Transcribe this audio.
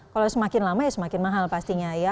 kalau semakin lama ya semakin mahal pastinya ya